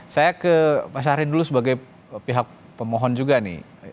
saya ke pak syahrir dulu sebagai pihak pemohon juga nih